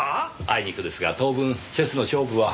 あいにくですが当分チェスの勝負は。